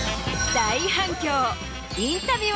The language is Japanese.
大反響。